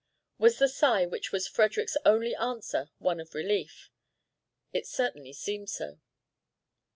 Was the sigh which was Frederick's only answer one of relief? It certainly seemed so.